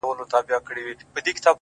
• د ښایست یې پر ملکونو چوک چوکه سوه,